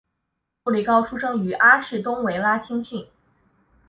杜利高出身于阿士东维拉青训。